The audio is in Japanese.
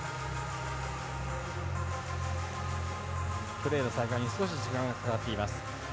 プレーの再開に少し時間がかかっています。